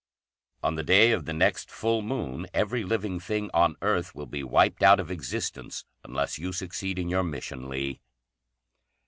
] "On the day of the next full moon every living thing on earth will be wiped out of existence unless you succeed in your mission, Lee."